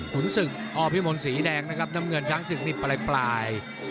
ขุนศึกอพิมนต์สีแดงนะครับน้ำเงินช้างศึกนี่ปลาย